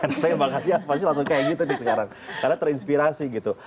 anak saya bakatnya apa sih langsung kayak gitu nih sekarang karena terinspirasi gitu